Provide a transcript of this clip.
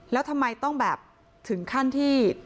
แล้วทำไมต้องแบบถึงขั้นที่